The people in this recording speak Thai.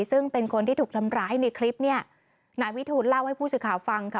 ซึ่งเป็นคนที่ถูกทำร้ายในคลิปเนี่ยนายวิทูลเล่าให้ผู้สื่อข่าวฟังค่ะ